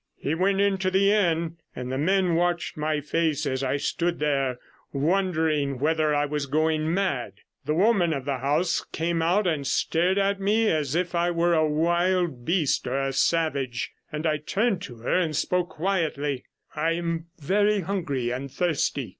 He went into the inn, and the men watched my face as I stood there, wondering whether I was going mad. The woman of the house came out and stared at me as if I were a wild beast or a savage, and I turned to her, and spoke quietly, 'I am very hungry and thirsty.